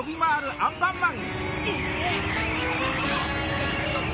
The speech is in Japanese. アンパンマン！